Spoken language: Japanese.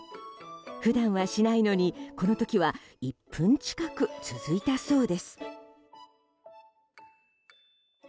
普段はしないのに、この時は１分近く続いたそうです。